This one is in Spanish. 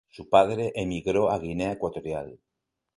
Su padre emigró a Guinea Ecuatorial.